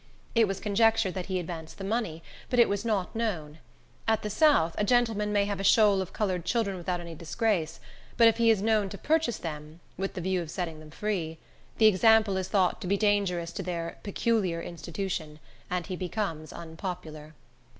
It was conjectured that he advanced the money, but it was not known. At the south, a gentleman may have a shoal of colored children without any disgrace; but if he is known to purchase them, with the view of setting them free, the example is thought to be dangerous to their "peculiar institution," and he becomes unpopular.